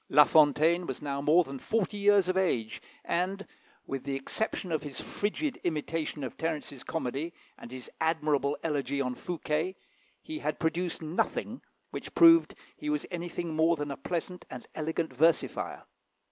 La Fontaine was now more than forty years of age, and, with the exception of his frigid imitation of Terence's comedy, and his admirable elegy on Fouquet, he had produced nothing which proved that he was anything more than a pleasant and elegant versifier.